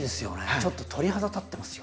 ちょっと鳥肌立ってますよ。